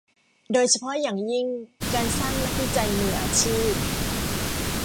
โดยเฉพาะอย่างยิ่งการสร้างนักวิจัยมืออาชีพ